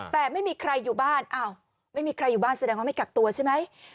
แต่ไม่มีใครอยู่บ้านอ้าวไม่มีใครอยู่บ้านแสดงว่าไม่กักตัวใช่ไหม